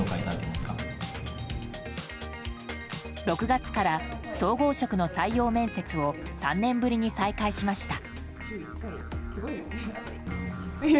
６月から総合職の採用面接を３年ぶりに再開しました。